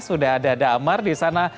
sudah ada damar di sana